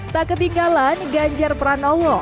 tak ketinggalan ganjar pranowo